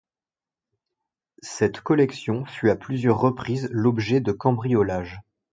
Cette collection fut à plusieurs reprises l’objet de cambriolages.